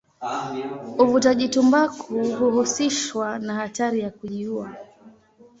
Uvutaji tumbaku huhusishwa na hatari ya kujiua.